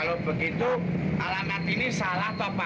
kalau begitu alamat ini salah toh pak